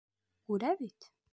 Күрә бит!